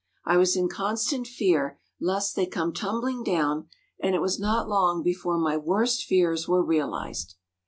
I was in constant fear lest they come tumbling down and it was not long before my worst fears were realized.